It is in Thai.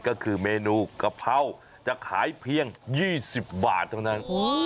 ก็คือเมนูกะเพราจะขายเพียง๒๐บาทเท่านั้น